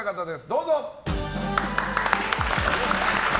どうぞ！